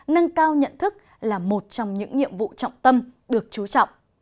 nâng cao nhận thức là một trong những nhiệm vụ trọng tâm được chú trọng